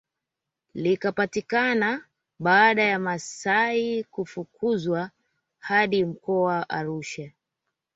Likapatikana baada ya wamasai kufukuzwa hadi mkoani Arusha